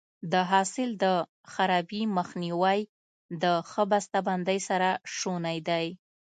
د حاصل د خرابي مخنیوی د ښه بسته بندۍ سره شونی دی.